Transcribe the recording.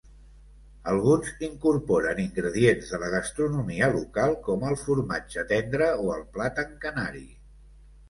Algunes incorporen ingredients de la gastronomia local com el formatge tendre o el plàtan canari.